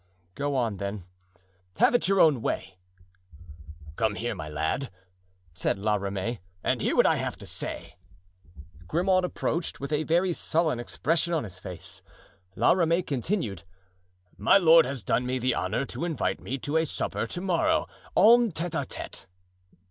"Go on, then; have it your own way." "Come here, my lad," said La Ramee, "and hear what I have to say." Grimaud approached, with a very sullen expression on his face. La Ramee continued: "My lord has done me the honor to invite me to a supper to morrow en tete a tete."